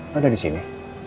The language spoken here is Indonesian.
lo ada disini